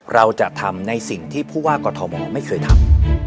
เราจะทำในสิ่งที่ผู้ว่ากอทมไม่เคยทำ